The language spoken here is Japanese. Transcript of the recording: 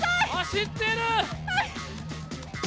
走ってる！